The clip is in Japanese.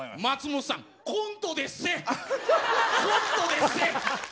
松本さんコントでっせ！